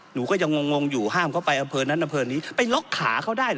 หนูก็ยังงงอยู่ห้ามเข้าไปอำเภอนั้นอำเภอนี้ไปล็อกขาเขาได้เหรอ